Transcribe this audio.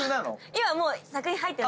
今もう作品入ってないんです。